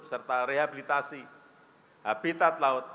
serta rehabilitasi habitat laut